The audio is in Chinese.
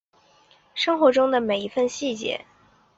生活中的每一分细节